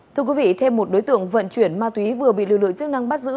thưa quý vị thêm một đối tượng vận chuyển ma túy vừa bị lực lượng chức năng bắt giữ